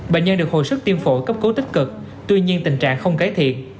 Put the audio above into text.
bệnh nhân được hồi sức tiêm phổi cấp cứu tích cực tuy nhiên tình trạng không cải thiện